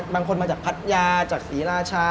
บางคนมาจากพัทยาสีราชา